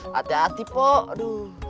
hati hati pok aduh